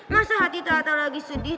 masa hati tata lagi sedih